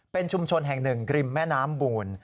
เป็นชุมชนแห่งหนึ่งริมแม่น้ำบูล